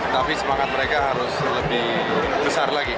tapi semangat mereka harus lebih besar lagi